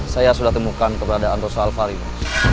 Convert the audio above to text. saya sudah temukan keberadaan rosa alvarino